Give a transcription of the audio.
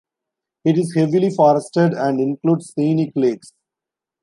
It is heavily forested and includes scenic lakes.